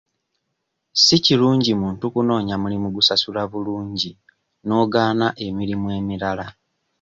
Si kirungi muntu kunoonya mulimu gusasula bulungi n'ogaana emirimu emirala.